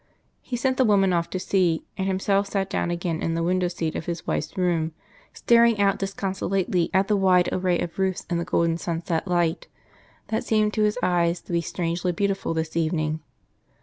He sent the woman off to see, and himself sat down again in the window seat of his wife's room, staring out disconsolately at the wide array of roofs in the golden sunset light, that seemed to his eyes to be strangely beautiful this evening.